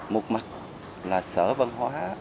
một mặt là sở văn hóa